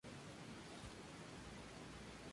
La habían grabado con el seudónimo "Parker y Penny".